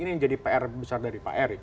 ini menjadi pr besar dari pak erik